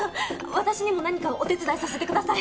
私にも何かお手伝いさせてください。